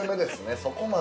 そこまで。